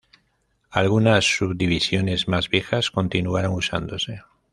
Algunas subdivisiones más viejas continuaron usándose.